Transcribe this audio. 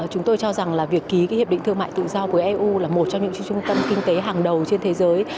chúng tôi cho rằng là việc ký cái hiệp định thương mại tự do với eu là một trong những trung tâm kinh tế hàng đầu trên thế giới